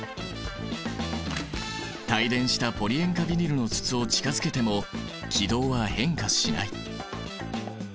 帯電したポリ塩化ビニルの筒を近づけても軌道は変化しない。